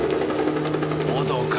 報道か。